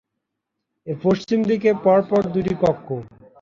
এর পশ্চিম দিকে পরপর দুটি কক্ষ।